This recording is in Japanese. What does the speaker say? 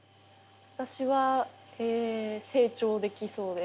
私は成長できそうです。